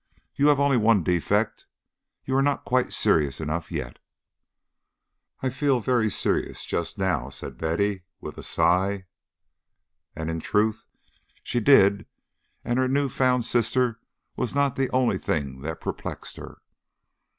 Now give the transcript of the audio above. You have only one defect; you are not quite serious enough yet." "I feel very serious just now," said Betty, with a sigh; and in truth she did, and her new found sister was not the only thing that perplexed her.